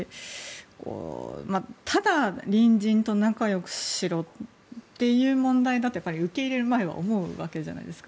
ただ隣人と仲良くしろっていう問題だと受け入れる前は思うわけじゃないですか。